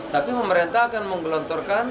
tapi pemerintah akan menggelontorkan